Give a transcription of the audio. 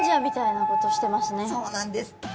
そうなんです。